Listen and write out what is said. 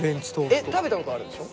えっ食べたことあるでしょ？